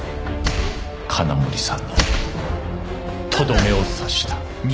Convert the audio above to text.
金森さんのとどめを刺した。